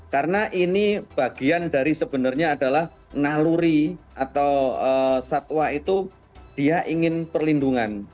karena ini bagian dari sebenarnya adalah naluri atau satwa itu dia ingin perlindungan